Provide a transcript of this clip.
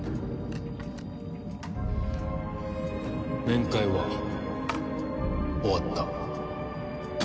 面会は終わった。